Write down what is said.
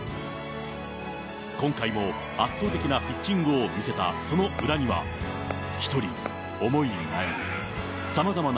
今回も圧倒的なピッチングを見せたその裏には、一人、思い悩み、レフトへ。